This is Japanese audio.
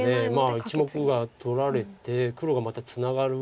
１目が取られて黒がまたツナがるわけですよね。